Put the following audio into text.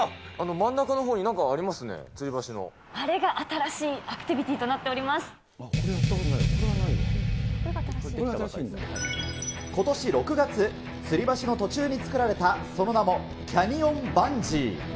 真ん中のほあれが新しいアクティビティことし６月、つり橋の途中に作られた、その名もキャニオンバンジー。